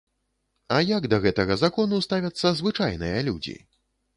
А як да гэтага закону ставяцца звычайныя людзі?